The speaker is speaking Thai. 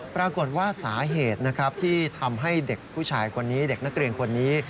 ปรากฏว่าสาเหตุนะครับที่ทำให้เด็กผู้ชายคนนี้เด็กนักเรียนคนนี้